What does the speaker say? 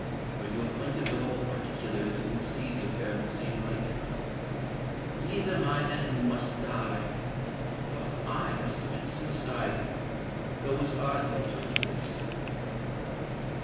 Were you acquainted with all the particulars, you would see the affair in the same light. Either my enemy must die—or I must commit suicide! Those are the alternatives."